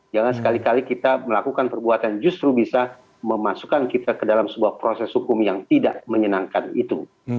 jangan sekali kali kita melakukan perbuatan justru bisa memasukkan kita ke dalam sebuah proses hukum yang tidak menyenangkan itu